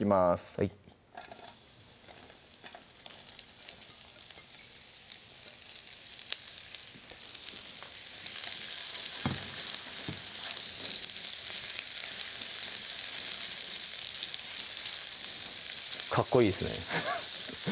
はいかっこいいですね